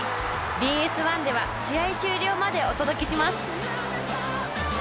ＢＳ１では試合終了までお届けします